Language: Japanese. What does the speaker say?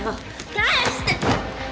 返して！